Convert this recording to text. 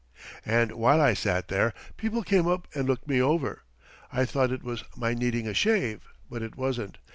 "And while I sat there people came up and looked me over. I thought it was my needing a shave, but it wasn't.